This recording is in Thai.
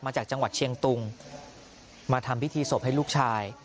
มาจากจังหวัดเชียงตุงมาทำพิธีศพให้ลูกชาย